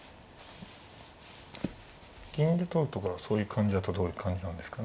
銀で取るとかそういう感じだったらどういう感じなんですか。